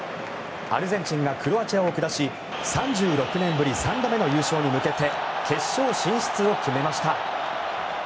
アルゼンチンがクロアチアを下し３６年ぶり３度目の優勝へ向け決勝進出を決めました。